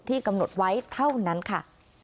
กำหนดไว้เท่านั้นค่ะ